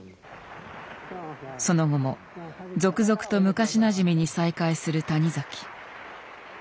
その後も続々と昔なじみに再会する谷崎。